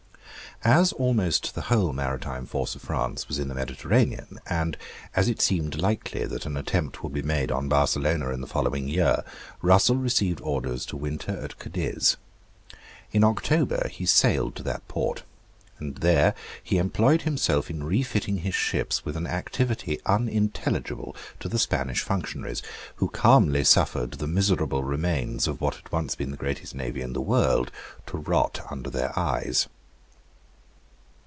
As almost the whole maritime force of France was in the Mediterranean, and as it seemed likely that an attempt would be made on Barcelona in the following year, Russell received orders to winter at Cadiz. In October he sailed to that port; and there he employed himself in refitting his ships with an activity unintelligible to the Spanish functionaries, who calmly suffered the miserable remains of what had once been the greatest navy in the world to rot under their eyes.